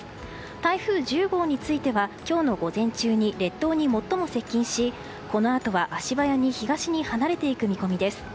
台風１０号については今日の午前中に列島に最も接近しこのあとは足早に東に離れていく見込みです。